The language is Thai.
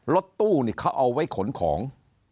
รถตู้นี่เขาเอาไว้ขนของ